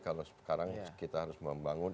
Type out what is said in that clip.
kalau sekarang kita harus membangun